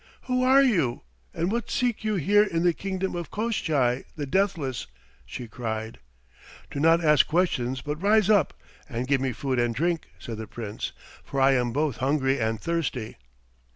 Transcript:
"Who are you? And what seek you here in the kingdom of Koshchei the Deathless?" she cried. "Do not ask questions but rise up and give me food and drink," said the Prince; "for I am both hungry and thirsty."